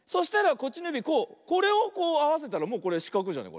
これをこうあわせたらもうこれしかくじゃない？